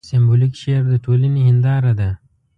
سېمبولیک شعر د ټولنې هینداره ده.